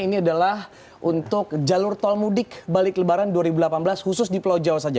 ini adalah untuk jalur tol mudik balik lebaran dua ribu delapan belas khusus di pulau jawa saja